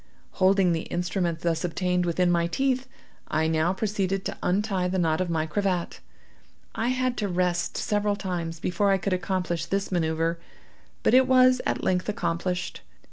Holding the instrument thus obtained within my teeth, I now proceeded to untie the knot of my cravat. I had to rest several times before I could accomplish this manoeuvre, but it was at length accomplished.